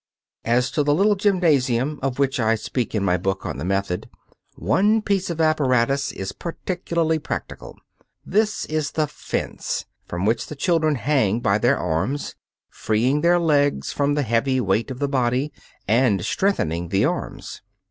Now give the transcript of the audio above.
As to the little gymnasium, of which I speak in my book on the "Method," one piece of apparatus is particularly practical. This is the "fence," from which the children hang by their arms, freeing their legs from the heavy weight of the body and strengthening the arms.